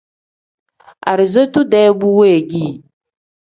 Arizotu-dee bu weegii.